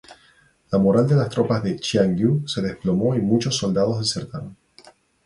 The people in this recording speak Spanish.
La moral de las tropas de Xiang Yu se desplomó y muchos soldados desertaron.